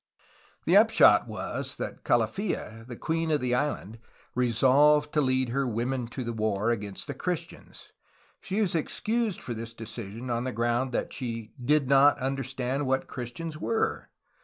The upshot was that Calafia, the queen of the island, re solved to lead her women to the war against the Christians. She is excused for this decision on the ground that she ''did not understand what Christians were."